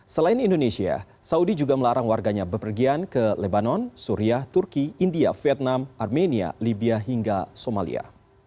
selain indonesia saudi juga melarang warganya berpergian ke lebanon syria turki india vietnam armenia libya hingga somalia